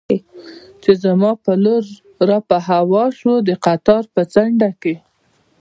چې زما پر لور را په هوا شو، د قطار په څنډه کې.